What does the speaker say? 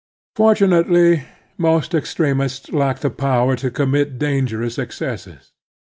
Fortunately, most extremists lack the power to commit dangerous excesses.